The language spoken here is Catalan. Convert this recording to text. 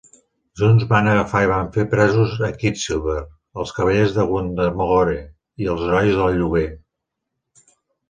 Junts van agafar i van fer presos a Quicksilver, als Cavallers de Wundagore i als Herois de Lloguer.